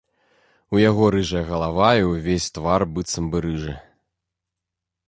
У яго рыжая галава і ўвесь твар быццам бы рыжы.